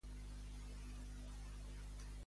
A Junqueras no se li va ocultar mai res de res.